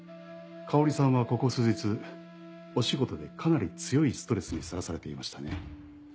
香織さんはここ数日お仕事でかなり強いストレスにさらされていましたね。